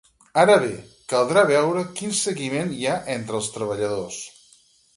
Ara bé, caldrà veure quin seguiment hi ha entre els treballadors.